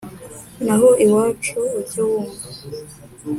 naho iwacu ujye wumva